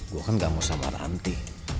gua kan gak mau sama ranti